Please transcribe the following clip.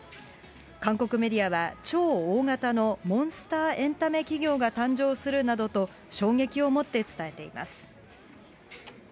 韓国メディアは、超大型のモンスターエンタメ企業が誕生するなどと、衝撃を持って伝えています。